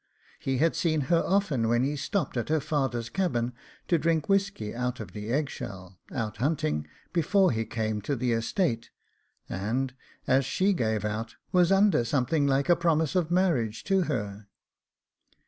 He had seen her often when he stopped at her father's cabin to drink whisky out of the eggshell, out hunting, before he came to the estate, and, as she gave out, was under something like a promise of marriage to her.